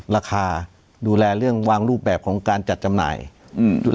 ราคาดูแลเรื่องวางรูปแบบของการจัดจำหน่ายอืม